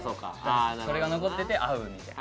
それが残ってて「会う」みたいな。